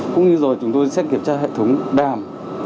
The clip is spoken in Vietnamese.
cũng như rồi chúng tôi sẽ kiểm tra hệ thống đàm